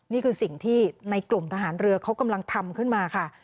นี่คือสิ่งที่ในกลุ่มทหารเรือเขากำลังทำขึ้นมาค่ะ